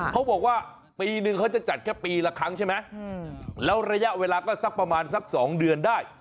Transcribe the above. เขาบอกว่าปีนึงเขาจะจัดแค่ปีละครั้งใช่ไหมแล้วระยะเวลาก็สักประมาณสัก๒เดือนได้